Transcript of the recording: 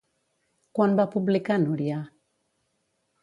Quan va publicar Núria?